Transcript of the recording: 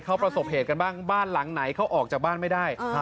เขาประสบเหตุกันบ้างบ้านหลังไหนเขาออกจากบ้านไม่ได้